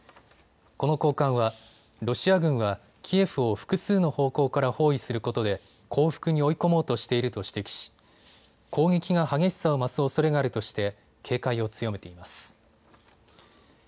この高官は、ロシア軍はキエフを複数の方向から包囲することで降伏に追い込もうとしていると指摘し攻撃が激しさを増すおそれがあるとして警戒を強めています。